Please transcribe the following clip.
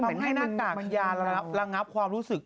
เพราะให้หน้ากากยาลังรับความรู้สึก